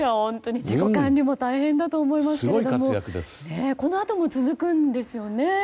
自己管理も大変だと思いますけどもこのあとも続くんですよね。